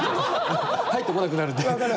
入ってこなくなるんで。